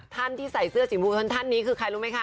ท่านที่ใส่เสื้อสีมูท่านนี้คือใครรู้ไหมคะ